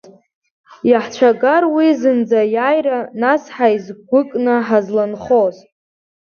Иаҳцәагар уи зынӡа аиааира, нас ҳаизгәыкны ҳазланхоз?